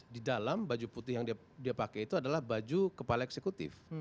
di dalam baju putih yang dia pakai itu adalah baju kepala eksekutif